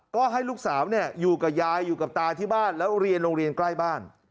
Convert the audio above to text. ก็ให้ลูกสาวอยู่กับยายอยู่กับตาที่บ้านแล้วเรียนโรงเรียนใกล้บ้าน